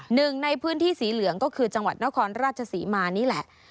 หนึ่งในพื้นที่สีเหลืองก็คือจังหวัดนครราชศรีมานี่แหละ